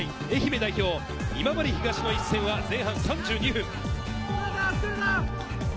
愛媛代表・今治東の一戦は前半３２分。